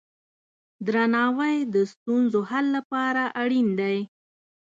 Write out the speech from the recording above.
درناوی د ستونزو حل لپاره اړین دی.